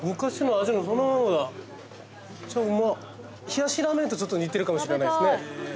冷やしラーメンとちょっと似てるかもしれないですね。